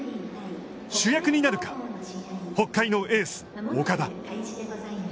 主役になるか、北海のエース岡田。